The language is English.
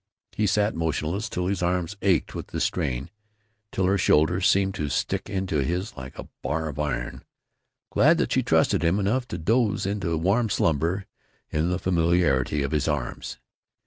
He sat motionless till his arms ached with the strain, till her shoulder seemed to stick into his like a bar of iron; glad that she trusted him enough to doze into warm slumber in the familiarity of his arms.